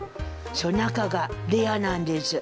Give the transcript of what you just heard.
中がレアなんです。